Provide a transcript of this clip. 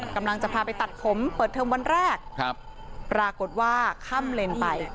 กำลังจะพาไปตัดผมเปิดเทอมวันแรกครับปรากฏว่าข้ามเลนไป